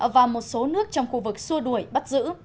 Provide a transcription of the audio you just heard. và một số nước trong khu vực xua đuổi bắt giữ